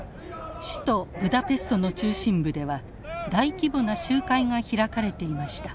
首都ブダペストの中心部では大規模な集会が開かれていました。